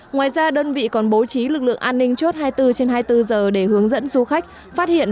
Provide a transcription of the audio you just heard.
ngoài ra đơn vị còn bố trí lực lượng an ninh chốt hai mươi bốn trên hai mươi bốn giờ để hướng dẫn du khách phát hiện